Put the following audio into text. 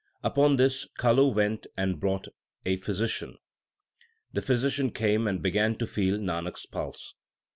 Upon this, Kalu went and brought a physician. The physician came, and began to feel Nanak s pulse.